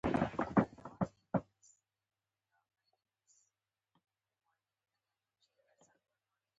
ستاسو خوبونه به ستاسو لپاره وجنګېږي.